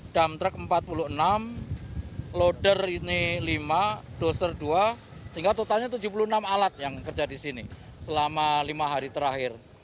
dam truck empat puluh enam loader ini lima doster dua sehingga totalnya tujuh puluh enam alat yang kerja di sini selama lima hari terakhir